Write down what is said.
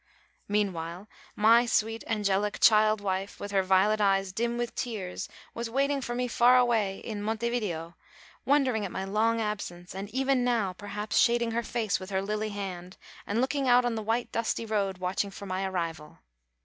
Meanwhile my sweet, angelic child wife, with her violet eyes dim with tears, was waiting for me far away in Montevideo, wondering at my long absence, and even now perhaps shading her face with her lily hand and looking out on the white dusty road watching for my arrival!